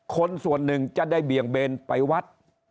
คนส่วนหนึ่งจะได้เบี่ยงเบนไปวัด